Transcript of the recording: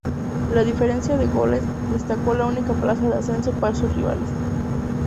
La diferencia de goles decantó la única plaza de ascenso para sus rivales.